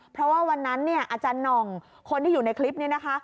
เพราะว่าวันนั้นอนคนที่อยู่ในคลิปนี้นะคะ